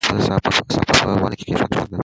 هغه خپله صافه په ونه کې کېښوده.